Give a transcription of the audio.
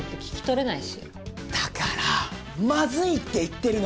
だからまずいって言ってるの！